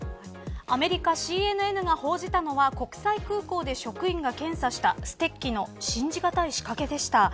アメリカＣＮＮが報じたのは国際空港で職員が検査したステッキの信じがたい仕掛けでした。